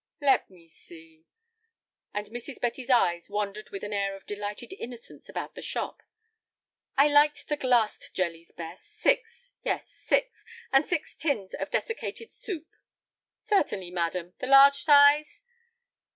"Let me see," and Mrs. Betty's eyes wandered with an air of delightful innocence about the shop; "I like the glassed jellies best. Six. Yes, six. And six tins of desiccated soup." "Certainly, madam. The large size?"